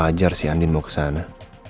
wajar sih andin mau ke sana